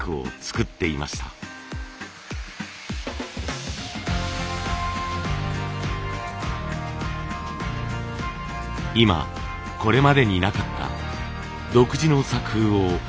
今これまでになかった独自の作風を突き詰めています。